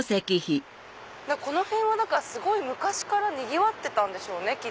この辺はすごい昔からにぎわってたんでしょうね。